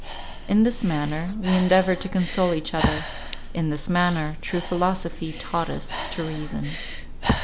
In this manner, we endeavoured to console each other; in this manner, true philosophy taught us to reason.